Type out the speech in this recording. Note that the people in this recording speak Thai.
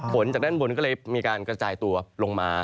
ฝนจากด้านบนก็เลยมีการกระจายตัวลงมา